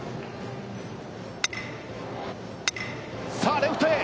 さあ、レフトへ。